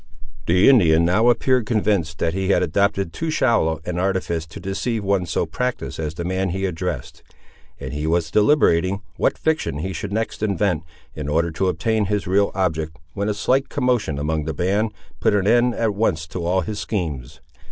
The Indian now appeared convinced that he had adopted too shallow an artifice to deceive one so practised as the man he addressed, and he was deliberating what fiction he should next invent, in order to obtain his real object, when a slight commotion among the band put an end at once to all his schemes.